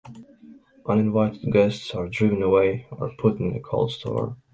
Uninvited guests are driven away or put in a cold store.